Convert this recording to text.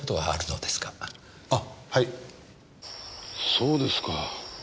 そうですか。